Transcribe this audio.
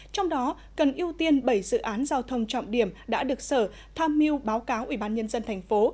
trong đó cần ưu tiên bảy dự án giao thông trọng điểm đã được sở tham mưu báo cáo ubnd tp